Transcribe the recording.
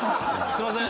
すいません！